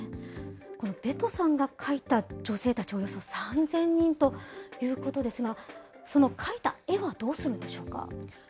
このベトさんが描いた女性たちの数、３０００人ということですが、その描いた絵はどうするんでしょうか。